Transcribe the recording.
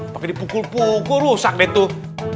pakai dipukul pukul rusak deh tuh